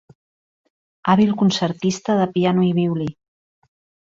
Hàbil concertista de piano i violí.